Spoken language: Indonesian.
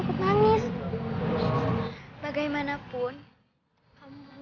orang yang tadi siang dimakamin